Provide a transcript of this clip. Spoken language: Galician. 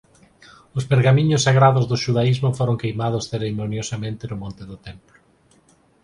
Os pergamiños sagrados do xudaísmo foron queimados cerimoniosamente no Monte do Templo.